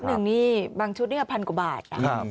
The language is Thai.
หนึ่งนี่บางชุดนี่พันกว่าบาท